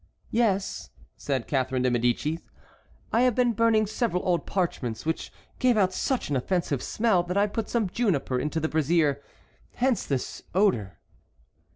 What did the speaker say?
"Yes," said Catharine de Médicis, "I have been burning several old parchments which gave out such an offensive smell that I put some juniper into the brazier, hence this odor."